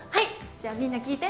じゃあみんな聞いて！